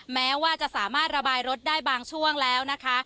แม้ว่าจะสามารถระบายรถได้บางช่วงแล้วนะคะ